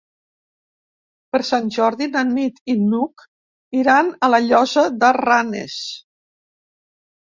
Per Sant Jordi na Nit i n'Hug iran a la Llosa de Ranes.